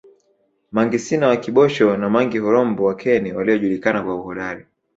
Mangi Sina wa Kibosho na Mangi Horombo wa Keni waliojulikana kwa uhodari